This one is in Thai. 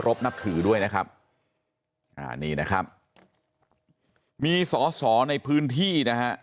นับถือด้วยนะครับอ่านี่นะครับมีสอสอในพื้นที่นะฮะ